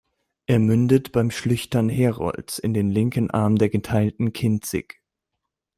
Er mündet bei Schlüchtern-Herolz in den linken Arm der geteilten "Kinzig".